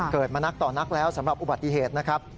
เกิดมานักต่อนักแล้วสำหรับอุบัติเหตุนะครับ